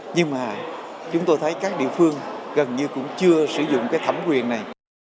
nhưng mà chúng tôi thấy các địa phương gần như cũng chưa sử dụng cái thẩm quyền này